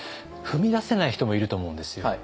踏み出せない人もいると思うんですよ。